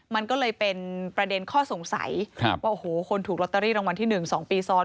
มันก็เลยเป็นประเด็นข้อสงสัยว่าโอ้โหคนถูกลอตเตอรี่รางวัลที่๑๒ปีซ้อน